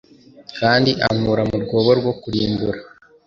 Kandi ankura mu rwobo rwo kurimbura